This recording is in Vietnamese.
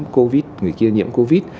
covid người kia nhiễm covid